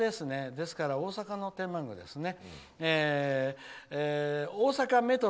ですから、大阪の天満宮ですね。